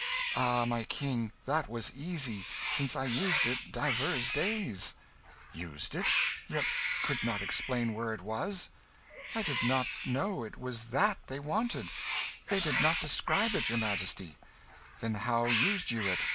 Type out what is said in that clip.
"Ah, my King, that was easy, since I used it divers days." "Used it yet could not explain where it was?" "I did not know it was that they wanted. They did not describe it, your Majesty." "Then how used you it?"